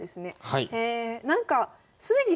はい。